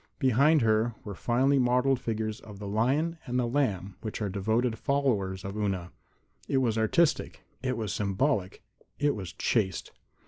Behind her were finely modeled figures of the lion and the lamb which are devoted followers of Una. It was artistic; it was symbolic; it was chaste.